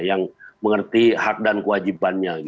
yang mengerti hak dan kewajibannya